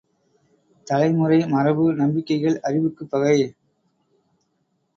தலைமுறை மரபு நம்பிக்கைகள் அறிவுக்குப் பகை.